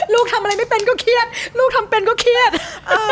ลูกทำอะไรไม่เป็นก็เครียดลูกทำเป็นก็เครียด